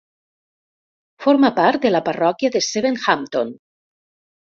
Forma part de la parròquia de Sevenhampton.